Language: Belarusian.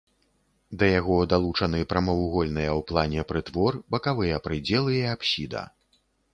Да яго далучаны прамавугольныя ў плане прытвор, бакавыя прыдзелы і апсіда.